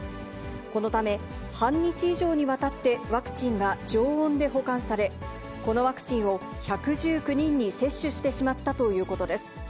このため、半日以上にわたってワクチンが常温で保管され、このワクチンを１１９人に接種してしまったということです。